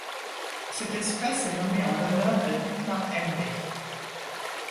Cette espèce est nommée en l'honneur de Dietmar Emmrich.